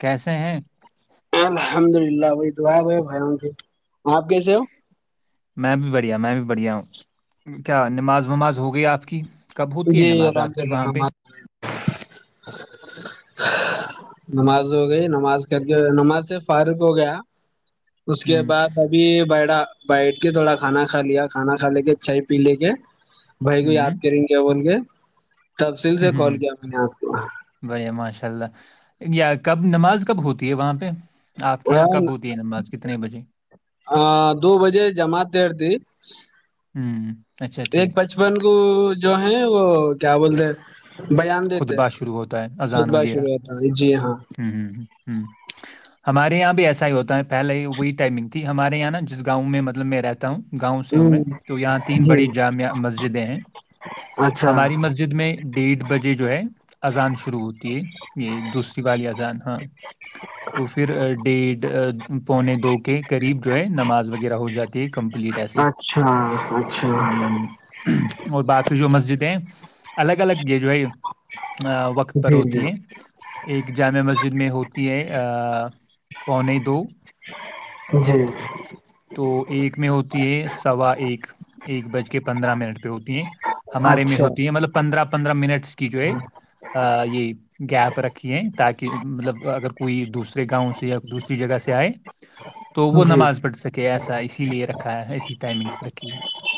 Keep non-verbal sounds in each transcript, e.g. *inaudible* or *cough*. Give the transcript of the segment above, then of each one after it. کیسے ہیں الحمد للہ بھائی تو آئے بھائی بائیوں سے آپ کیسے ہو میں بھی بڑھیا میں بھی بڑھیا کیا نماز وماز ہو گئی آپ کی کب ہوتی ہے جی نماز آپ الحمد کی للہ وہاں پہ نماز ہو گئی نماز کر کے نماز سے فاروغ ہو گیا اس کے ہوں بعد ابھی بیڈا بیٹھ کے تھوڑا کھانا کھا لیا کھانا کھا لے کے چائے پی لے کے بھائی کو ہوں یاد کریں گے کون گ تفصیل سے کال کیا میں نے آپ کو ااء اللہ یا کب نماز کب ہوتی ہے وہاں پہ آپ کے یہاں وہ کب ہوتی ہے نماز کتنے بجے دو بجے جمعت دیر تھی ہوں اچھا ایک ٹھیک بچپن کو جو ہے ہیں وہ کیا بولتے ہیں بیان دیتے خطبا شروع ہوتا ہے اذان خطبہ وغیرہ شروع ہوتا ہے جی ہاں ہ ہ ہ ہ ہمارے یہاں بھی ایسا ہی ہوتا ہے پہلے ہی وہی ٹائمنگ تھی ہمارے یہاں نا جس گاؤں میں مطلب میں رہتا ہوں گاؤں سے ہوں میں تو یہاں ہ تین جی بڑی جامع مسجدیں ہیں اچھا ہماری مسجد میں ڈیھ ہے اذان شروع ہوتی ہے یہ دوسری والالی ازان ہاں تو پھر ڈیھ پونے دو کے قریب جو ہے نماز وغیرہ ہو جاتی د کمپلیٹ ایسے اچھا اچھا ہ جی ہاں جی اور باقی جو مسجد ہیں الگ الگ یہ جو ہے وقت پر جی ہوتی جی ہے ایک جامع مسجد میں ہوتی ہے پونے دو جی تو ایک میں ہوتی ہے سوا ایک ایک بج کے پندرہ منٹ پیتیین ہمارے میں اچھا ہوتی ہے مطلب پندرہ پندرہ منٹ کی جو ہے یہ گیپ رکھی ہے تاکہ مطلب اگر کوئی دوسرے گاؤں سے یا دوسری جگہ سے آئے تو وہ جی نماز پڑھ سکے جی ایسا اسی لیے رکھا ہے ایسی ٹائمنگس رکھی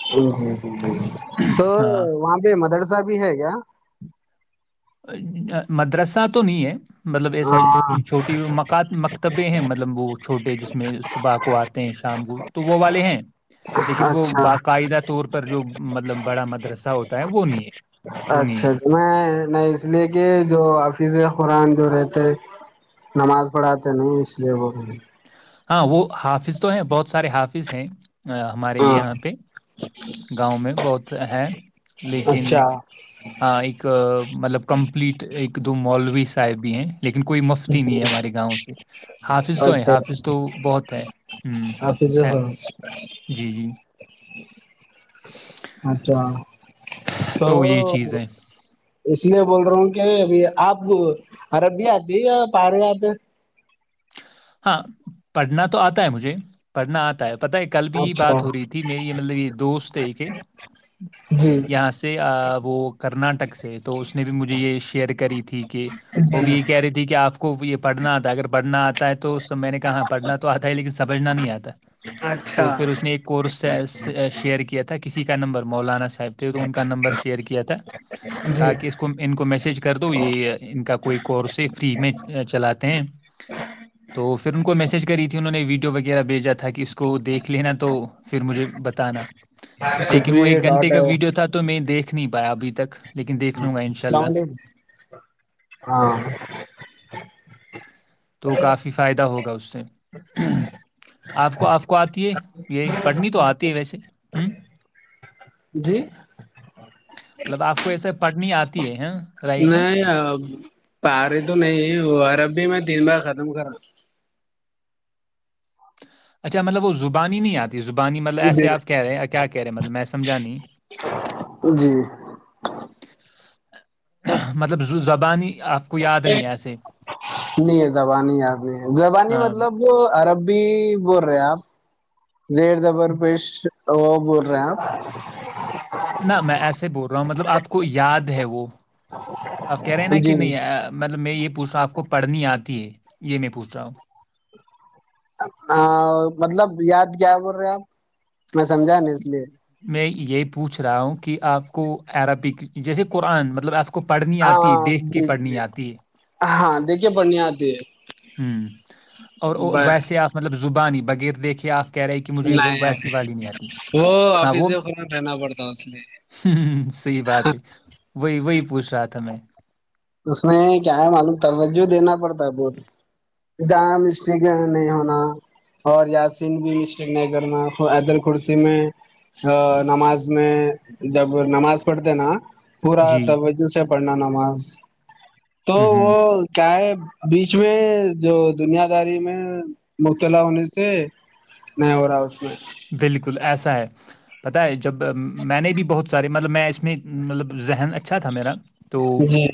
ج جی ہے تو ہاں وہاں پہ مدرسہ بھی ہے کیا مدرسہ تو نہیں ہے مطلب ایسا ہاں چھوٹی مات مکتبے ہیں مطلب وہ چھوٹے جس میں صبح کو آتے ہیں شام کو تو وہ والے ہیں لیکن وہ اچھا باقاعدہ طور پر جو مطلب بڑا مدرسہ ہوتا ہے وہ نہیں ہے وہ نہیں ہے اچھا میں نہیں اس لیے کہ جو آفظ قرآن جو رہ نماز پڑھاتے نہیں اس لیے وہ ہاں وہ حافظ تو ہیں بہت سارے حافظ ہیں ہمارے یہ یہاں پہ گاؤں میں بہت ہے لیکن اچھا ہاں ایک مطلب کمپلیٹ ایک دو مالوی سحب بھی ہیں لیکن کوئی مفتی نہیں ہے ہمارے گاؤں سے حافظ حافظ تو بہت ہے ہوں حفظ ہے ہاں جی جی اچھا تو یہ چیز ہے اس لیے بول رہا ہوں کہ ابھی آپ اربی آتی ہے یا پہاڑ آتے ہاں پڑھنا تو آتا ہے مجھے پڑھنا آتا ہے پتا ہے کل بھی یہ اچھا بات ہو رہی تھی میری یہ مطلب یہ دوست ہے کہ جی یہاں سے وہ کرناٹک سے تو اس نے بھی مجھے یہ شیئر کری تھی کہ جی وہ بھی یہ کہہ رہی تھی کہ آپ کو یہ پڑھنا تو اگر پڑھنا تع تو میں نے کہااں پڑھنا تو آتا ہی لیکن سمجھنا نہیں آتا تو اچھا پھر اس نے ایک کورس شیئر کیا تھا کہ کسی کا نمبر مولانا صاحب تو ان کا نمبر شیئر کیا تھا جی کہ کہ اس کو ان کو میسج کر دو یہ ان کا کوئی کورس ہے فری میں چلاتے ہیں تو پھر ان کو میسج کری تھی انہوں نے ویڈیو وغیرہ بھیجا تھا کہ اس کو دیکھ لینا تو پھر مجھے بتانا کچھ لیکن بھی وہ ایک گھنٹے ڈاٹ ہے کا ویڈیو تھا تو میں دیکھ سکھ نہیی پایا ابھی تک لیکن دیکھ ہاں لوں گا انشاءاللہ السلام علیکم ہاں تو کافی فائدہ ہوگا اس سے آپ کو آپ کو آتی ہے یہ پڑھنی تو آتی ہے ویسے ہوں جی مطلب آپ کو ایسے پڑنی آتی ہے ہ میں آ ری تو نہیں وہ ا ربی میں تین بار ختم کرا اچھا مطلب وہ زبان ہی نہیں آتا زبانی مطلب ایسے جی آپ کہہ رہے ہیں کیا کہہ رہے ہیں مطلب میں سمجھانی جی آپ کو یاد نہیں ہے ایسے نہیں زبانی ادیھی زبانی آ، مطلب وہ عرب بھی بول رہے ہیں آپ زیر زبر پیش وہ بور رہے آپ نہ میں ایسے بول مطلب آپ کو یاد ہے وہ آپ کہہ رہے ہیں نا کہ جی نہیں مطلب میں یہ پوچھا آپ کو پڑھنی آتی ہے یہ میں پوچھ رہا ہوں مطلب یاد کیا بول رہے آپ میں سمجھا نہیں اس لیے میں یہ پوچھ رہا ہوں کہ آپ کو عربک جیسے قرآن مطلب آف ہاں جی جی ہے؟ ہاں دیکھیے پڑھنی آتی ہے ہ اور بائے ویسے آپ مطلب زبانی بغیر دیکھیے آپ کہہ رہے کہ مجھے ویسی والی نہیں آتی ہاں وہ آفس خنا رہنا پڑتا اس لیے ہ صحیح بات ہے وہی وہی پوچھ رہا تھا میں اس میں کیا ہے معلوم توجہ دینا پڑتا ہے بہت جہاں مسٹیک نہیں ہونا اور یاسین بھی مسٹیک نہیں کرنا ایدل خورسی میں نماز میں جب نماز پڑھتے نا پورا جی، جس سے پڑھنا نماز ہوں، ہوں، *unintelligible* بیچ میں جو دنیاداری میں مبتلا ہونے سے نہیں ہو رہا اس میں بالکل ایسا ہے پت ہے جب میں نے بھی بہت سارے مطلب میں اس میں اس میں مطلب ذہن اچھا تھا میرا تو جی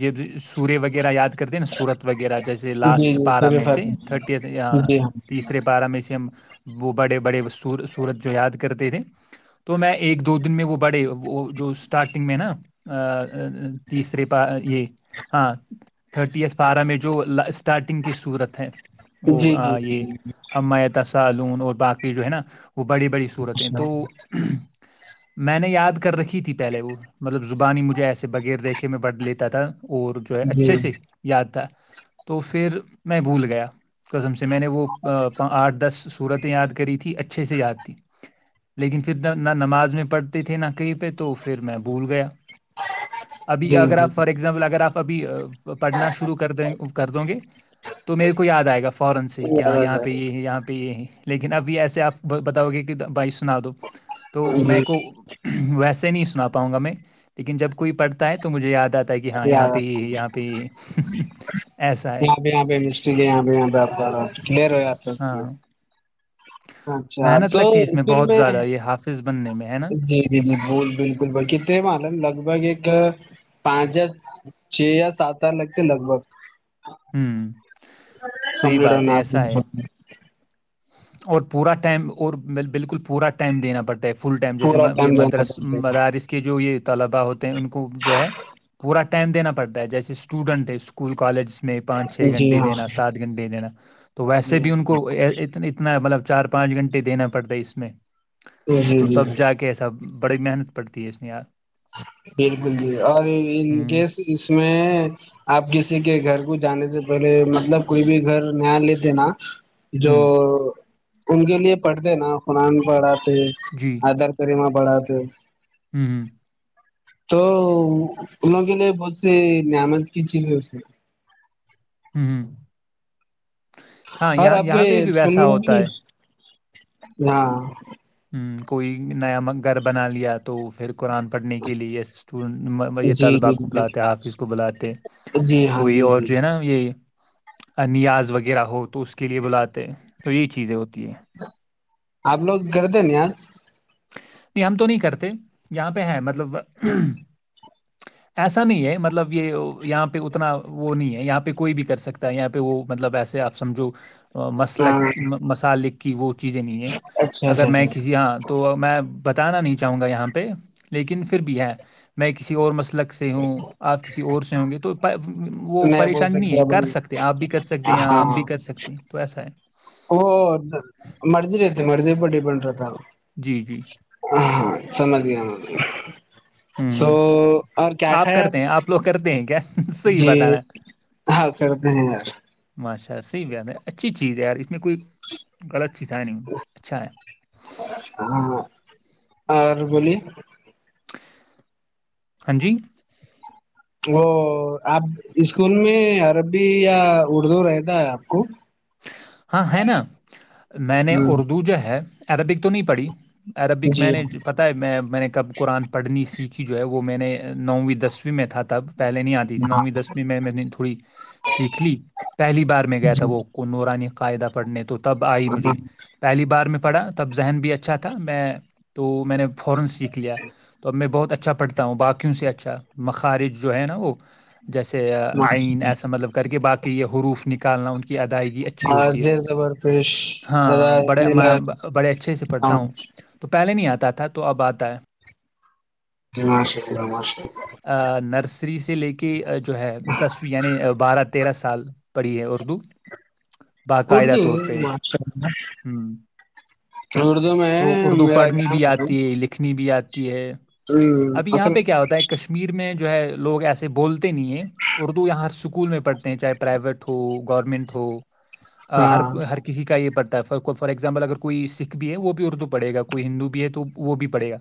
یہ سورے وغیرہ یاد کر کرتے ہیں صورت وغیرہ جیسے جی لاسٹ جی پارا میںی صرف سے تھٹت جی ہاں تیسرے پارا میں سے ہم وہ بڑے بڑے سورت جو یاد کرتے تھے تو میں ایک دو دن میں وہ بڑے وہ جو اسٹارٹنگ میں نا *inaudible* تیسرے پا یہ ہاں تھرٹی ایتھ پارا میں جو لاسٹ ٹارٹنگ کی صورت ہے وہ جی جی یہ جی امایت س *unintelligible* باقی جو ہے نا وہ بڑی بڑی صورتیں اچھا تو میں نے یاد کر رکھی تھی پہل وہ مطلب جو زبانی ہی مجھے ایسے بغیر دیکھے میں پڑھ لیتا تھا اور جو ہے جی اچھے سے یاد تھا تو پھر میں بھول گیا قزم سے ھم یاد کر ت ت اچھے سے یاد تھی لیکن پھر نہ نماز میں پڑھتے تھے نہ کہئی پہ تو پھر میں بھول گیا ابھی جی اگر جی آپ فار ایگزامپل اگر آپ ابھی پڑھنا شروع کر دیں کر د گے تو میرے کو یاد آئے گا فورن سے ہی کہ ہاں یہاں پہ یہ ہے یہاں پہ یہ ہے لیکن ابھی ایسے آپ بتاؤ گے کہ بائیسو سنا دو تو میں جی کو ویسے نہیں پاؤں گا میں لیکن جب کوئی پڑھتا ہے تو مجھے یاد آتا کہ ہاں یہاں پہ یار یہاں پہ ایسا ہے یہاں پہ یہاں پہ مسٹیک ہے یہاں پہ یہاں پہ آپ کا کلیئر ہو جاتا ہے اس میں ہاں اچھا محنت تو لگتی ہے اس اسکول بہت میں زیادہ یہ حافظ بننے میں ہے نا جی جی جی ب بالکل بکت ہیں معلوم لگ بھگ ایک پانچ یا چھ یا سات ہزار لگتے لگ بھگ ہوں صحیح بات ہے کمپٹپ ایسا ہے اور پورا ٹائم اور بالکل پورا ٹائم دینا پڑتا ہے فل ٹائم جیسے پورا یہ ٹائم دینا مدرس پڑتا ہے۔ مدارس کے جو یہ طلبا ہوتے ہیں ان کو جو ہے پورا ٹائم دینا پڑتا ہے جیسے اسٹوڈنٹ ہے اسکول کالج میں پانچ چھ جی گھنٹے ہاں دینا سات گھنٹے دینا تو ویسے جی ہاں بھی ان کو ا کتنا مطلب چار پانچ گھنٹے دینا پڑتا اس میں جی تو جی جی تب جا کے سب بڑے محت پڑ دی اسس م میں یہار بالکل جی اور ان ہوں کیس اس میں آپ کسی کے گھر کچھ جانے سے پہلے مطلب کوئی بھی گھر نیا لیتے نا جو ہوں ان کے لیے پڑھتے نا قرآن پڑھا جی آدار کر م پڑات ہ تو ان لوگ کے لیے ب سے نعمت کی چیز ہے اس میں ہوں ہوں ہاں اورر یہاں آپ کو یہاں پہ یہ بھی سن ویسا ہوگی ہوتا ہے ہاں کوئی نیا گھر بنا لیا تو پھر قرآن پڑھنے کے لیے یہ جی طلبا جی کو جی بلاتے حافظ کو بلاتے جی ہاں کوئی جی اور جی جو ہے نا یہ نیاز وغیرہ ہو تو اس کے لیے بلاتے تو یہی چیزیں ہوتی اکی آپ لوگ گتے نہیں آج نہیں ہم تو نہیں کرتے یہاں پہ ہے مطلب ایسا نہیں ہے مطلب یہ یہاں پہ اتنا وہ نہیں ہے یہاں پہ کوئی بھی کر سکتا ہے یہاں پہ وہ مطلب ایسے آپ سمجھو ہاں مسلک مسالک کہ وہ چیزیں نہیں ہے اچھا اچھا اگر میں اچھا کسی یہاں بتانا نہیں چاہوں گا یہاں پہ لیکن پھر بھی ہے میں کسی اور مسئلہ لک سے ہوں آپ کسی اور سے ہوں گے تو *inaudible* وہ بول پریشان نہیں سکتے ہے اب کر سکتے آپ بھی کر سکتے ہیں یا آ بھی ہاں کر سکتے ہیں تو ایسا ہے مرضے پر ڈی پنڈ رہ تھا جی جی ہ ہاں سمتی آ م سو ہوں اور کیا کھائے آپ کرتے ہیں لوگ کرتے ہیں کیا صحیح جی بتانا ہاں پھر یار اچا صی ب ہے اچھی چیز ہے یار اس میں کوئی غلط اچس نہیں اچھا ہے ہاں اور بولی ہاں جی وہ آپ اسکول میں عربی یا اردو رہتا ہے آپ کو ہاں ہے نا میں ہ نے اردو جو ہے ادبگ تو نہیں پڑی عربک جی میں نے پتاہ ہے میں میں نے کب قرآن پڑھنی سیکھی جو ہے وہ وہ میں نے نوویں دسویں میں تھا تب پہلے نہیں آتی تھی نوویں دسویں میں میں نے تھوڑی سیکھ لی پہلی بار میں گیا جی تھا وہ انی قادہ پڑنے تو تب آئی مجھے پہلی بار میں پڑا تب ذہن بھی اچھا تھا میں تو *inaudible* خارج جو ہے نا وہ جیسے آئین ایسا مطلب کر کے باقی یہ حروف نک کالناں ادائیگی اچھی ہاں ہوتی ہے زیر زبر پیش ہاں بڑے میں بڑے اچھے سے پڑھتا ہوں تو پہلے نہیں آتا تھا تو اب آتا ہے کم سےے کم سےے آ، نرسری سے لے کے جو ہے دسویں یعنی بارہ پ تیرہ سال پڑھی ہے اردو باقاعدہ کرتی طور پہ، ہوں، اردو میں تو اردو میرا پڑھنی گام بھی وال آتی ہے، لکھنی بھی ہے ابھی یہاں پہ کیا ہوتا ہے کشمیر میں جو ہے لوگ ایسے بولتے نہیں ہے اردو یہاں ہر اسکول میں پڑھتے ہیں چاہے پرائیویٹ ہو گورنمنٹ ہو ہر ہاں ہر کسی کا یہ پڑھتا فار ایگزامپل اگر کوئی سکھ بھی ہے وہ اردو پڑے گا کوئی ہندو بھی ہے تو وہ بھی پڑے گا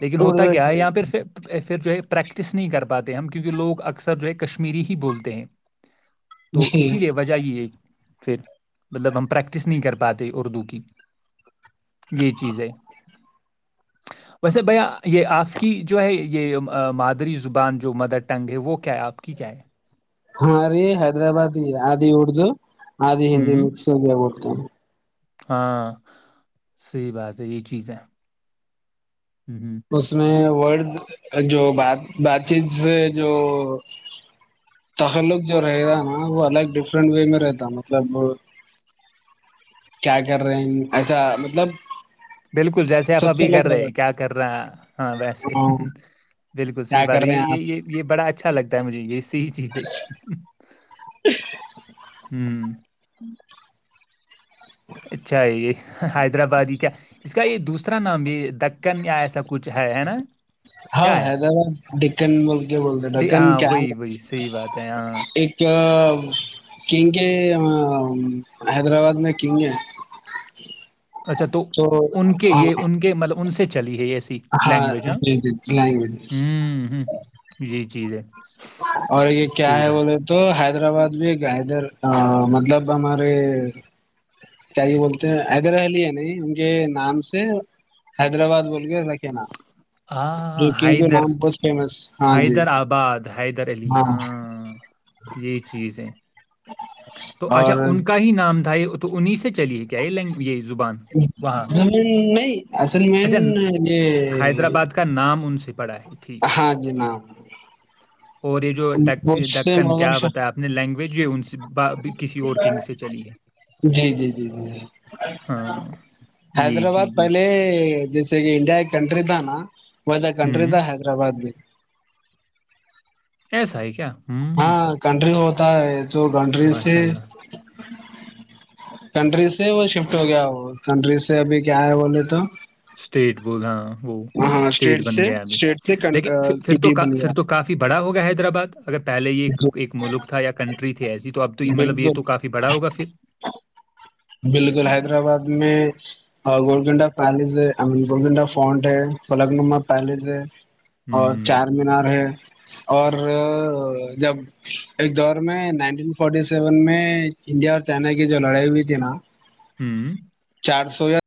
لیکن اردو ہوتا کیا ہے یہاں ایکسائز پ پھر جو ہے پریکٹس نہیں کر پاتے ہم کیونکہ لوگ اکثر جو ہے کشمییرری ہی بولتے ہیں تو جی اسی لیے بجائیے ایک پھر مطلب ہم پریکٹس نہیں کر پاتے اردو کی یہ چیز ہے ویسے بھیا یہ آپ کی جو ہے یہ مادری زبان جو مدر ٹنگ ہے وہ کیا ہے آپ کی کیا ہے ہاںرے حیدرآباد ہی آدھی اردو آج ہی ہندی ہوں مکس ہو گیا بہت ک ہاں صحی بات ہے یہ چیز ہے ہوں تو اس میں ورڈز جو بات بات چیت سے جو تخلق جو رہتا نا وہ الگ ڈفرنٹ وے میں رہتا مطلب کیا کر رہے ہیں ایسا مطلب بالکل جیسے آپ سب سے ابھی کر الگ رہ رہے کیا کر رہا ہاں ویسے ہاں بالکل کیا صحی بات کر ہے رہے یہ ہیں آپ یہ یہ یہ بڑا اچھا لگتا ہے مجھے ج یہ یہی چیز ہے ہوں اچھا یہ یہ حیدرآبادی کیا اس کا یہ دوسرا نام یہ دک ہاں کیا ہے حیدرباد ڈکن بول کے بولتے دی- ڈکن ہاں کیا ہے وہی وہی صحیح بات ہے ہاں ایک کینک حیدرآباد میں کنگے اچھا تو ان کے یہ ان کے مطلب ان سے چلی یہ ای ہاں لینگویج ہ جی جی لینگویج ہ ہ جی جی چیز ہے صحیح اور یہ کیا ہے بات بولے تو حیدرآباد بھی گ ادھر مطلب ہمارے کیا یہ بولتے ہیں حیدر حلی ہے نہیں ان کے نام سے حیدرآباد بول کے رکھے ناام ہاں جوکنگ حیدر نام بہت فیمس ہاں جی ح حیدر علی ہاں یہی چیز ہے تو اچھا اور ان کا ہی نام دھائی ا انیس سے چلی ہے کیا یہ لینگ یہ زبان وہاں پہ زمین نہیں اصل مین اچھا یہ حیدرآباد کا نام ان سے پڑا ہے ٹھیک ٹھیک تو ب سے م ش آپ نے لینگویج یہ ان سے با- بھی کسی اور کنگ سے چلی ہے جی جی جی جی جی ہاں یہ جی حیدرآباد جی جی پہلے جس انڈا کنٹری دانا وہا کنٹری ہوں تھا حیدرباد بھی ایسا ہے کیا ہوں ہاں کنری ہو ت ہے جو گنڈریے سے ماشاء اللہ *inaudible* کنٹری سے وہ شفٹ ہو گیا وہ کنٹری سے ابھی کیا ہے بولے تو اسٹیٹ بول ہاں وہ ہاں اسٹیٹ بن سے گیا ابھی اسٹیٹ سے لیکن پھر تو سٹی بن گیا پھر تو کافی بڑا ہو گیا حیدرآباد اگر پہلے یہ ایک ملک تھا یا کنٹری تھی ایسی تو اب تو مطلب یہ بالکل تو کافی بڑا ہوگا پھر ہ گولکنڈا پیلس ہے آئی مین گولکنڈا فنٹ ہے پلک نما پیلس ہے اور ہوں چار مینار ہے اور جب ایک دور میں نائنٹین فورٹی سیون میں انڈیا اور چائنا کی جو لڑائی ہوئی تھی نا ہوں چار سو یاار